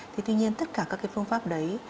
tuy nhiên tất cả các phương pháp đấy